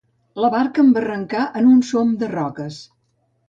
La barca embarrancà en un som de roques.